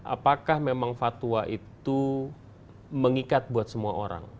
apakah memang fatwa itu mengikat buat semua orang